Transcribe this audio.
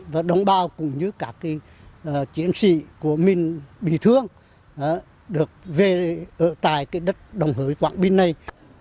và đồng bào cũng như các chiến sĩ của mình bị thương được về ở tại đất đồng hới quảng bình này